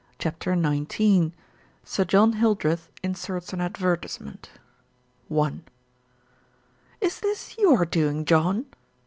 CHAPTER XIX SIR JOHN HILDRETH INSERTS AN ADVERTISEMENT "TS this your doing, John?"